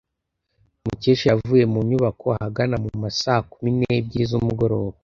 Mukesha yavuye mu nyubako ahagana mu ma saa kumi n'ebyiri z'umugoroba.